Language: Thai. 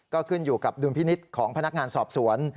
ก็ขึ้นอยู่กับดุลพินิษฐ์ของพนักงานสอบสวน